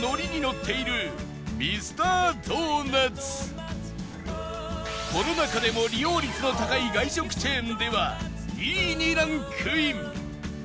本気でコロナ禍でも利用率の高い外食チェーンでは２位にランクイン